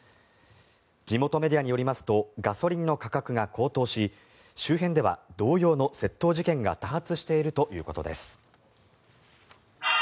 地元メディアによりますとガソリンの価格が高騰し周辺では同様の窃盗事件が多発しているということです。